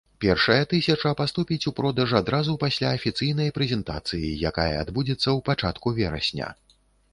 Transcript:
Першая тысяча паступіць у продаж адразу пасля афіцыйнай прэзентацыі, якая адбудзецца ў пачатку верасня.